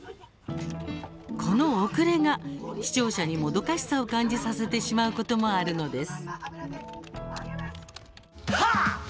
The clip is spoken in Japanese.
この遅れが視聴者にもどかしさを感じさせてしまうこともあるのです。